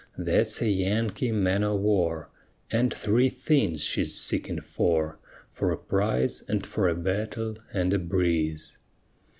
_ That's a Yankee man o' war, And three things she's seeking for For a prize, and for a battle, and a breeze.